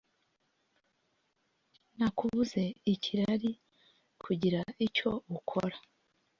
nakubuze ikirari kugira icyo ukora